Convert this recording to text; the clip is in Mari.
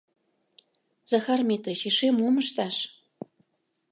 — Захар Митрич, эше мом ышташ?